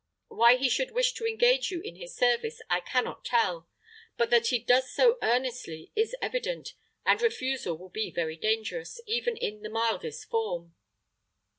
Why he should wish to engage you in his service I can not tell; but that he does so earnestly is evident, and refusal will be very dangerous, even in the mildest form."